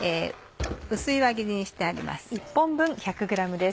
薄い輪切りにしてあります。